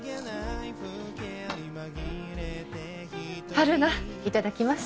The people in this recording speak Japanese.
春菜いただきます。